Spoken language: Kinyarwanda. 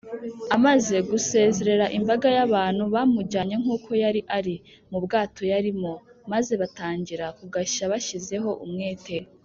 amaze gusezerera imbaga y’abantu, bamujyanye “nk’uko yari ari” mu bwato yarimo, maze batangira kugashya bashyizeho umwete